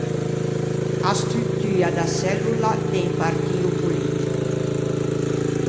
A struttua da çellola, de un partio politico.